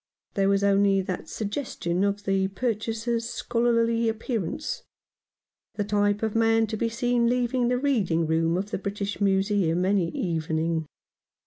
There was only that suggestion of the purchaser's scholarly appearance — the type of man to be seen leaving the Reading room of the British Museum any evening.